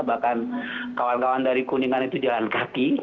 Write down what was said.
bahkan kawan kawan dari kuningan itu jalan kaki